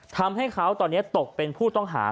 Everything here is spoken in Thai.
ทำให้เขาตกเป็นผู้ต้องหา